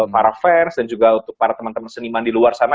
para fans dan juga untuk para teman teman seniman di luar sana